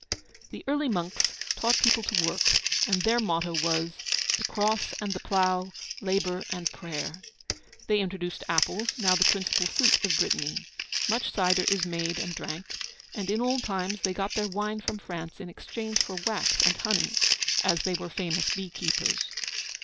The early monks taught the people to work, and their motto was 'The Cross and the plough, labour and prayer.' They introduced apples, now the principal fruit of Brittany. Much cider is made and drank; and in old times they got their wine from France in exchange for wax and honey, as they were famous bee keepers.